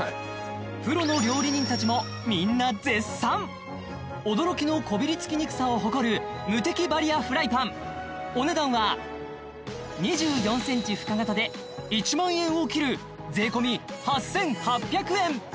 これは驚きのこびりつきにくさを誇るムテキバリアフライパンお値段は２４ｃｍ深型で１万円を切る税込８８００円